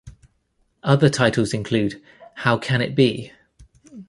Other titles include How Can It Be?